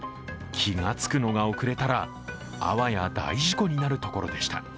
気が付くのが遅れたらあわや大事故になるところでした。